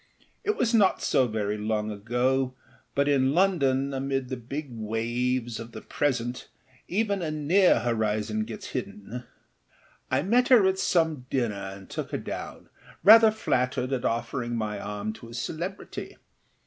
It was not so very long ago, but in London, amid the big waves of the present, even a near horizon gets hidden. I met her at some dinner and took her down, rather flattered at offering my arm to a celebrity.